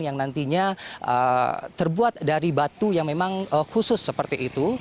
yang nantinya terbuat dari batu yang memang khusus seperti itu